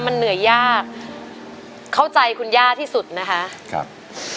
มันเหนื่อยยากเข้าใจคุณย่าที่สุดนะคะครับ